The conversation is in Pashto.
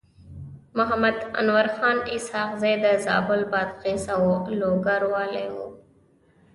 محمد انورخان اسحق زی د زابل، بادغيس او لوګر والي و.